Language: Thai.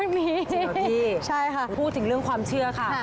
จริงหรือพี่ใช่ค่ะพูดถึงเรื่องความเชื่อค่ะ